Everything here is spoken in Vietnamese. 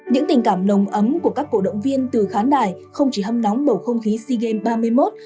những tình cảm nồng ấm của các cổ động viên từ khán đài không chỉ hâm nóng bầu không khí sea games ba mươi một